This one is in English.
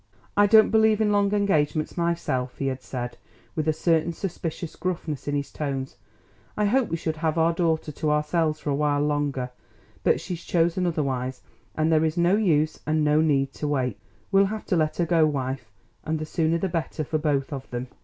"I don't believe in long engagements myself," he had said, with a certain suspicious gruffness in his tones. "I hoped we should have our daughter to ourselves for a while longer; but she's chosen otherwise, and there is no use and no need to wait. We'll have to let her go, wife, and the sooner the better, for both of them."